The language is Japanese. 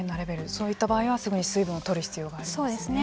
そういった場合はすぐに水分をとる必要がありますね。